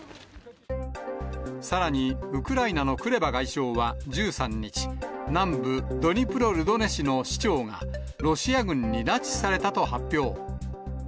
さらにウクライナのクレバ外相は１３日、南部ドニプロルドネ市の市長が、ロシア軍に拉致されたと発表。